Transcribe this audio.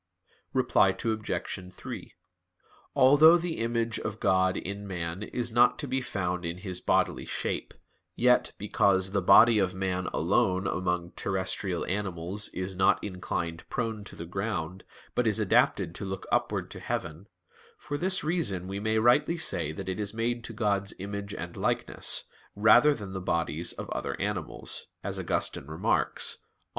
Reply Obj. 3: Although the image of God in man is not to be found in his bodily shape, yet because "the body of man alone among terrestrial animals is not inclined prone to the ground, but is adapted to look upward to heaven, for this reason we may rightly say that it is made to God's image and likeness, rather than the bodies of other animals," as Augustine remarks (QQ.